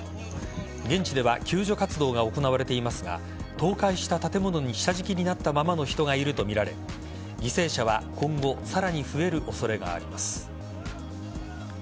現地では救助活動が行われていますが倒壊した建物に下敷きになったままの人がいるとみられ犠牲者は今後さらに増える恐れがあります。